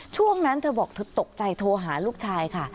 ช่วงนั้นเธอบอกเธอตกใจโทรหาลูกชายค่ะ